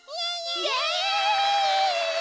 イエイ！